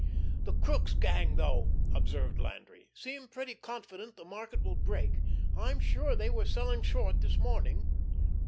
"The Crookes gang, though," observed Landry, "seem pretty confident the market will break. I'm sure they were selling short this morning."